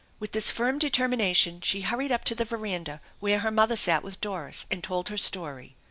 With this firm determination she hurried up to the veranda where her mother sat with Doris, and told her story.